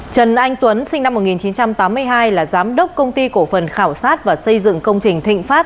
trần anh tuấn sinh năm một nghìn chín trăm tám mươi hai là giám đốc công ty cổ phần khảo sát và xây dựng công trình thịnh pháp